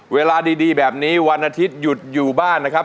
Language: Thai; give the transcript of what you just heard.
เวลาดีแบบนี้วันอาทิตหยุดอยู่บ้านนะครับ